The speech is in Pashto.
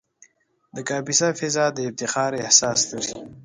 د کاپیسا فضا د افتخار احساس لري.